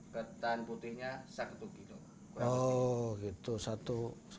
ketan hitamnya setengah kilo ketan putihnya satu kilo